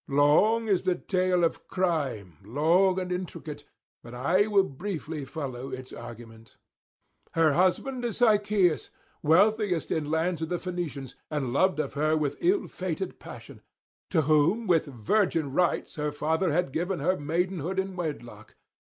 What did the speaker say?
Long is the tale of crime, long and intricate; but I will briefly follow its argument. Her husband was Sychaeus, wealthiest in lands of the Phoenicians, and loved of her with ill fated passion; to whom with virgin rites her father had given her maidenhood in wedlock.